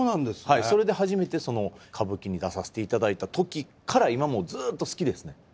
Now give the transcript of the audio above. それで初めて歌舞伎に出させて頂いた時から今もずっと好きですね。